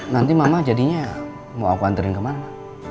nanti mama jadinya mau aku antarin kemana